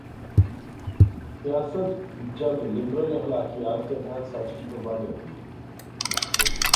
سیاست جب لبرل اخلاقیات کے تحت سچ کی پابند ہوتی ہے۔